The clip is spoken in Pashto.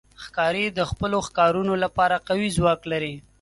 ښکاري د خپلو ښکارونو لپاره قوي ځواک لري.